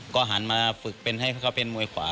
ก็หันมาฝึกเป็นให้เขาเป็นมวยขวา